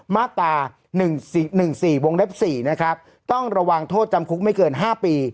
มาตราหนึ่งสี่หนึ่งสี่วงเล็กสี่นะครับต้องระวังโทษจำคุกไม่เกินห้าปี